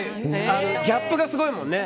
ギャップがすごいもんね。